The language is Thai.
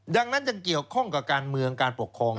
ดังนั้นจะเกี่ยวข้องกับการเมืองการปกครอง